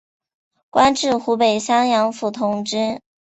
官至湖北襄阳府同知。